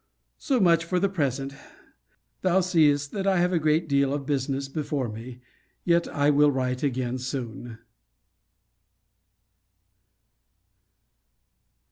So much for the present. Thou seest that I have a great deal of business before me; yet I will write again soon.